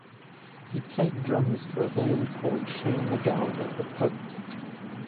He played drums for a band called Shane MacGowan and The Popes.